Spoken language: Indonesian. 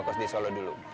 fokus di solo dulu